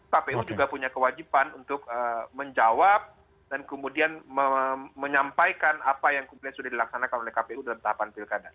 kpu juga punya kewajiban untuk menjawab dan kemudian menyampaikan apa yang kemudian sudah dilaksanakan oleh kpu dalam tahapan pilkada